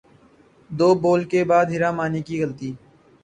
دو بول کے بعد حرا مانی کی غلطی